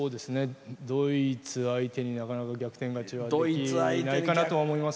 ドイツ相手になかなか逆転勝ちはできないかなと思います。